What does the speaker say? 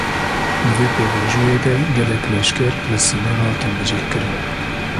Di vê pêvajoyê de gelek leşker, li sînor hatin bicih kirin